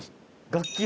楽器